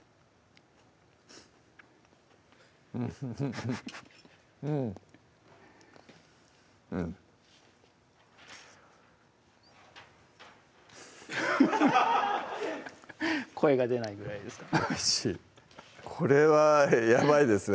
ウフフフうんうん声が出ないぐらいですかおいしいこれはやばいですね